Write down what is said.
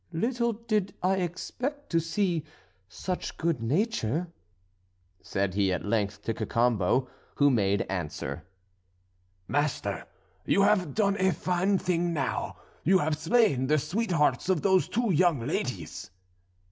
"Little did I expect to see such good nature," said he at length to Cacambo; who made answer: "Master, you have done a fine thing now; you have slain the sweethearts of those two young ladies."